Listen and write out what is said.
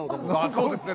そうですね